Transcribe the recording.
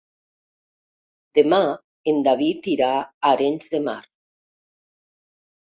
Demà en David irà a Arenys de Mar.